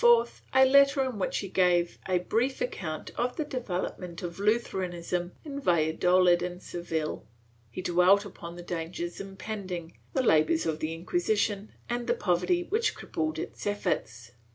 436 PROTESTANTISM [Book VIII a letter in which he gave a brief account of the development of Lutheranism in Valladolid and Seville; he dwelt upon the dangers impending, the labors of the Inquisition and the poverty which crippled its efforts.